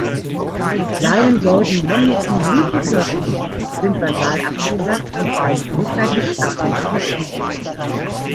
Die kleinen, gelben männlichen Blütenkörbchen sind basal abgeflacht und fallen frühzeitig ab.